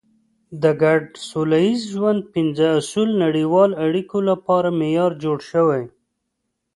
د ګډ سوله ییز ژوند پنځه اصول د نړیوالو اړیکو لپاره معیار جوړ شوی.